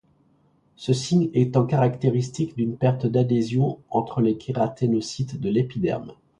Ce signe étant caractéristique d'une perte d'adhésion entre les kératinocytes de l'épiderme.